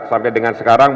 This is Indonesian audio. sampai dengan sekarang